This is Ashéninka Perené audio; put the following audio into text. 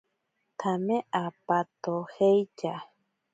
Tsame apatojeitya.